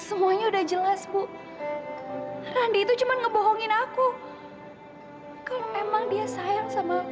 aku bisa ngeluarin apa yang aku rasain